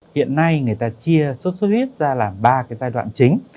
xuất xuất huyết ra là ba giai đoạn chính